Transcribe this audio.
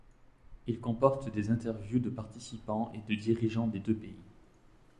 Il comporte des interviews de participants et de dirigeants des deux pays.